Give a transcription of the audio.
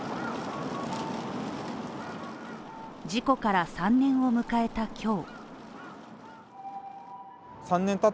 事故から３年を迎えた今日。